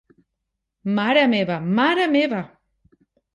Mare meva, mare meva!